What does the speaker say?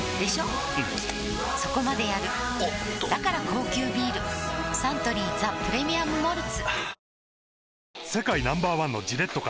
うんそこまでやるおっとだから高級ビールサントリー「ザ・プレミアム・モルツ」